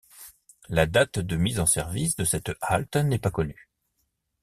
La date de mise en service de cette halte n'est pas connue.